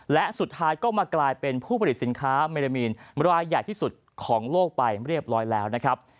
และสุดท้ายก็มากลายเป็นผู้ผลิตสินค้าเมริมีนรายใหญ่ที่สุดของโลกไปเรียบร้อยแล้วนะครับ